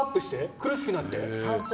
苦しくなって？